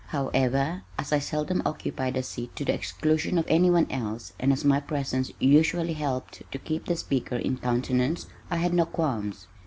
However, as I seldom occupied a seat to the exclusion of anyone else and as my presence usually helped to keep the speaker in countenance, I had no qualms.